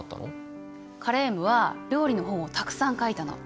カレームは料理の本をたくさん書いたの。